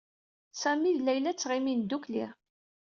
Sami ed Layla ttɣimin ddukkli.